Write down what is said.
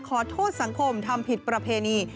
ขอโทษสังคมทำผิดประเพณี